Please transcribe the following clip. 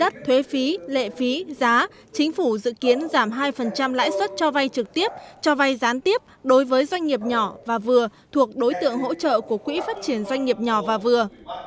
chính phủ dự kiến giảm hai lãi suất cho vay trực tiếp cho vay gián tiếp đối với doanh nghiệp nhỏ và vừa thuộc đối tượng hỗ trợ của quỹ phát triển doanh nghiệp nhỏ và vừa